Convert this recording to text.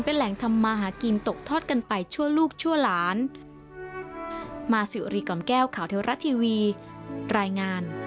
เป็นแหล่งทำมาหากินตกทอดกันไปชั่วลูกชั่วหลาน